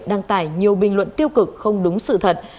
đăng tải nhiều bình luận tiêu cực không đúng sự thật